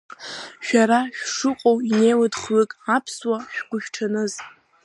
Шәара шәшыҟоу инеиуеит хҩык аԥсуаа, шәгәышәҽаныз!